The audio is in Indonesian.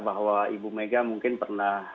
bahwa ibu mega mungkin pernah